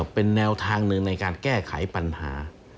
เป็นแนวทางหนึ่งในการแก้ไขปัญหา